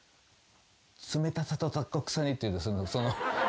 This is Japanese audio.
「冷たさと残酷さに」っていうその。